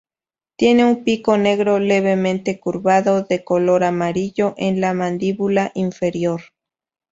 Tiene un pico negro levemente curvado, de color amarillo en la mandíbula inferior.